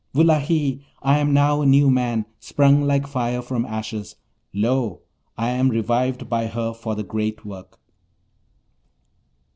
Wullahy! I am now a new man, sprung like fire from ashes. Lo, I am revived by her for the great work.'